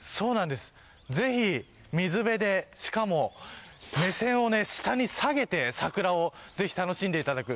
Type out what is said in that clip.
ぜひ、水辺でしかも目線を下に下げて桜を、ぜひ楽しんでいただく。